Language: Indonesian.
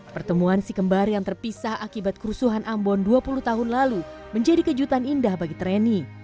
pertemuan si kembar yang terpisah akibat kerusuhan ambon dua puluh tahun lalu menjadi kejutan indah bagi treni